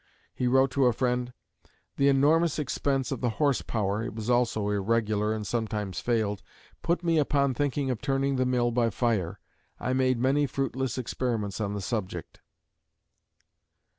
He wrote to a friend, "The enormous expense of the horse power" (it was also irregular and sometimes failed) "put me upon thinking of turning the mill by fire. I made many fruitless experiments on the subject."